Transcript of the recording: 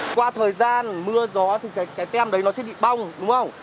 qua thời gian mưa gió thì cái tem đấy nó sẽ bị bong đúng không